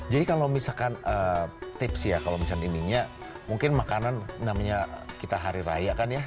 jadi kalau misalkan tips ya kalau misalnya minggu ini mungkin makanan namanya kita hari raya kan ya